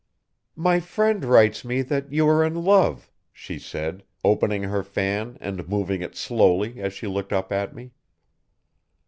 'My friend writes me that you are in love,' she said, opening her fan and moving it slowly, as she looked up at me.